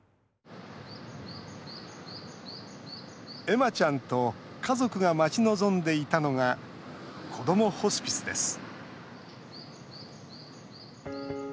恵麻ちゃんと家族が待ち望んでいたのがこどもホスピスです。